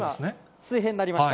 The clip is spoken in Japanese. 水平になりました。